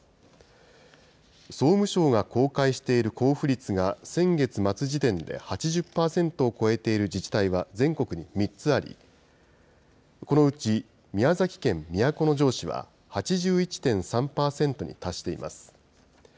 総務省が公開している交付率が先月末時点で８０％を超えている自治体は全国に３つあり、このうち宮崎県都城市は８１．３％に達しています。